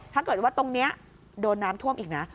ถ้าเกิดว่าตรงนี้โดนน้ำท่วมอีกนะ